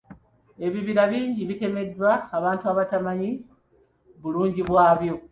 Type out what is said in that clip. Ebibira bingi bitemeddwa abantu abatamanyi bulungi bwabyo.